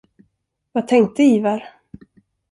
Vad tänkte Ivar?